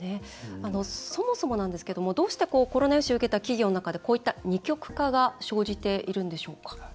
そもそもなんですけどもどうしてコロナ融資を受けた企業の中で、こういった二極化が生じているんでしょうか。